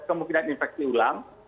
kemungkinan infeksi ulang